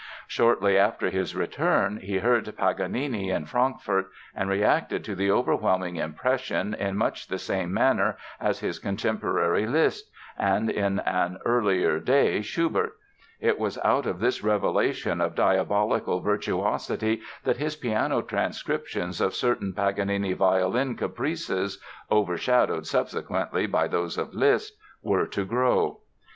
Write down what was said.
Shortly after his return he heard Paganini in Frankfort and reacted to the overwhelming impression in much the same manner as his contemporary, Liszt, and in an earlier day, Schubert. It was out of this revelation of diabolical virtuosity that his piano transcriptions of certain Paganini violin Caprices—overshadowed subsequently by those of Liszt—were to grow.